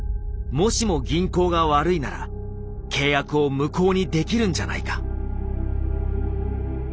もしも銀行が悪いなら契約を無効にできるんじゃないか。